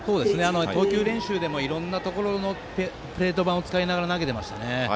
投球練習でもいろんなところのプレート板を使いながら投げていましたね。